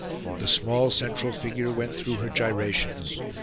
The small central figure went through her gyrations.